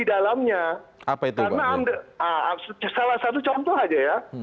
salah satu contoh saja ya